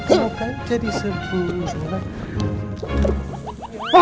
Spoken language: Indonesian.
kau kan jadi sempurna